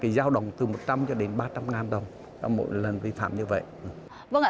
giao đồng từ một trăm linh đến ba trăm linh ngàn đồng mỗi lần vi phạm như vậy